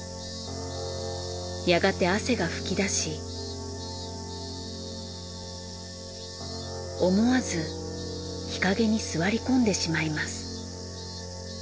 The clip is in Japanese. やがて汗がふき出し思わず日陰に座り込んでしまいます。